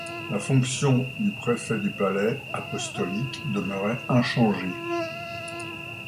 La fonction du Préfet du Palais apostolique demeurait inchangée.